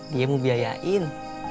dia mau biayain